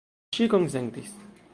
Ŝi konsentis.